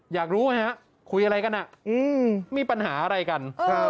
อยากรู้ไหมฮะคุยอะไรกันมีปัญหาอะไรกัน